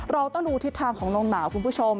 เราต้องดูทิศทางของลมหนาวคุณผู้ชม